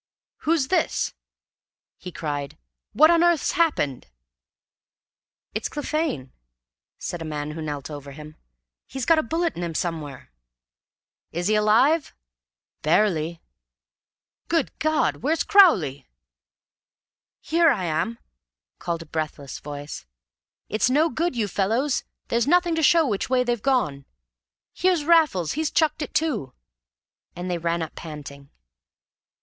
"Who's this?" he cried. "What on earth's happened?" "It's Clephane," said a man who knelt over him. "He's got a bullet in him somewhere." "Is he alive?" "Barely." "Good God! Where's Crowley?" "Here I am," called a breathless voice. "It's no good, you fellows. There's nothing to show which way they've gone. Here's Raffles; he's chucked it, too." And they ran up panting.